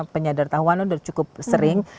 penyadar tahuan itu cukup sering